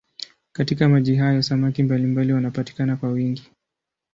Katika maji hayo samaki mbalimbali wanapatikana kwa wingi.